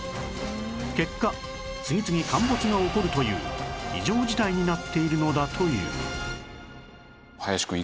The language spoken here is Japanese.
結果次々陥没が起こるという異常事態になっているのだという